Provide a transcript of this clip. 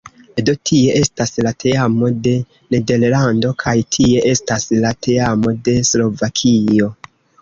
Do tie estas la teamo de Nederlando kaj tie estas la teamo de Slovakio